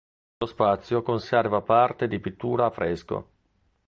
Lo spazio conserva parti di pittura a fresco.